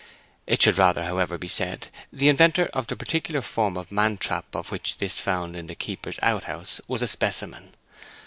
It should rather, however, be said, the inventor of the particular form of man trap of which this found in the keeper's out house was a specimen.